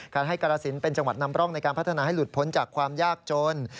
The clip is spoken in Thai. การให้กรสินเป็นจังหวัดนำร่องในการพัฒนาให้หลุดพ้นจากความยากจน